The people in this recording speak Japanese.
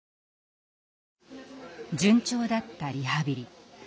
順調だったリハビリ。